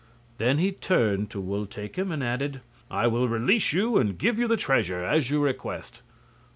Then he turned to Wul Takim and added: "I will release you and give you the treasure, as you request.